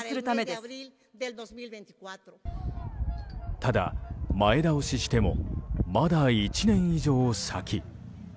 ただ、前倒ししてもまだ１年以上先。